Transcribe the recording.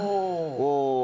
お。